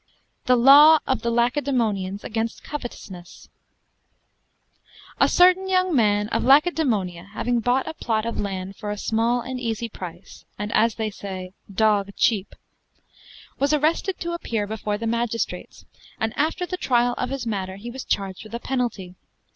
THE LAWE OF THE LACEDAEMONIANS AGAINST COVETOUSNESS A certain young man of Lacedaemonia having bought a plot of land for a small and easy price (and, as they say, dogge cheape) was arrested to appear before the magistrates, and after the trial of his matter he was charged with a penalty.